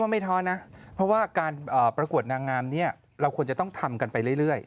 ไม่ท้อนะเพราะว่าการประกวดนางงามนี้เราควรจะต้องทำกันไปเรื่อย